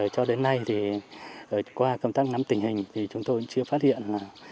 cho đến nay thì qua công tác nắm tình hình thì chúng tôi chưa phát hiện